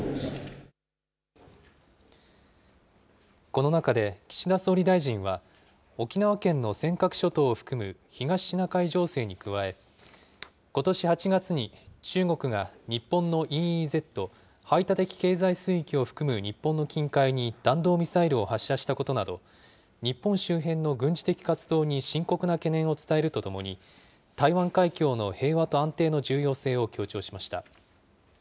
この中で、岸田総理大臣は、沖縄県の尖閣諸島を含む東シナ海情勢に加え、ことし８月に中国が、日本のＥＥＺ・排他的経済水域を含む日本の近海に弾道ミサイルを発射したことなど、日本周辺の軍事的活動に深刻な懸念を伝えるとともに、台湾海峡の平和と安定の重要性を強調しました。